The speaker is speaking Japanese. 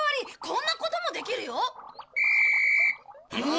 ん？